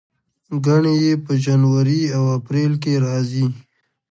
ګڼې یې په جنوري او اپریل کې راځي.